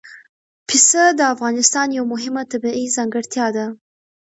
پسه د افغانستان یوه مهمه طبیعي ځانګړتیا ده.